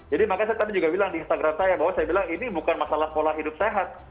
jadi makanya saya tadi juga bilang di instagram saya bahwa saya bilang ini bukan masalah pola hidup sehat